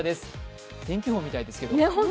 天気予報みたいですけど。